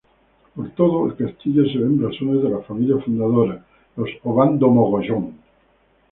Por todo el castillo se ven blasones de las familias fundadoras, los Obando-Mogollón.